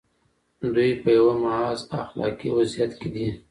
دوی په یوه محض اخلاقي وضعیت کې دي.